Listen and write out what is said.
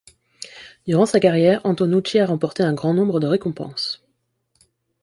Durant sa carrière, Antonucci a remporté un grand nombre de récompenses.